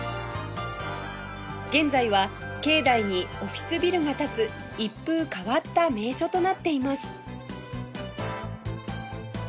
現在は境内にオフィスビルが立つ一風変わった名所となっています